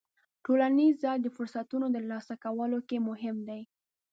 ټولنیز ځای د فرصتونو ترلاسه کولو کې مهم دی.